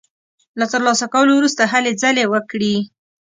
له تر لاسه کولو وروسته هلې ځلې وکړي.